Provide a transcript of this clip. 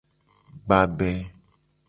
Gbabe.